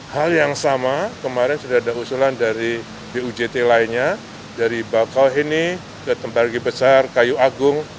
hal yang sama kemarin sudah ada usulan dari bujt lainnya dari bakauheni ke tembagi besar kayu agung